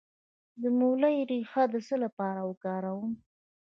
د مولی ریښه د څه لپاره وکاروم؟